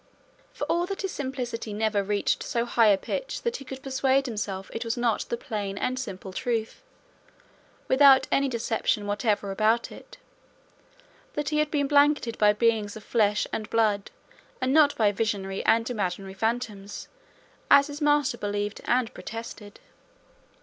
For all that his simplicity never reached so high a pitch that he could persuade himself it was not the plain and simple truth, without any deception whatever about it, that he had been blanketed by beings of flesh and blood, and not by visionary and imaginary phantoms, as his master believed and protested.